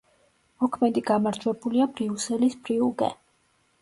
მოქმედი გამარჯვებულია ბრიუსელის „ბრიუგე“.